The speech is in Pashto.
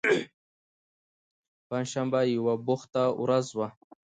پنجشنبه یوه بوخته ورځ وه.